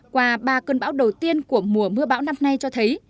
qua ba cơn bão đầu tiên của mùa mưa bão năm nay cho thấy